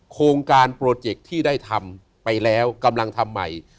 โครงการโปรเจคที่ได้ทำไปแล้วกำลังทำใหม่